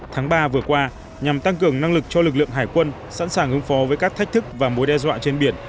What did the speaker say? tháng ba vừa qua nhằm tăng cường năng lực cho lực lượng hải quân sẵn sàng ứng phó với các thách thức và mối đe dọa trên biển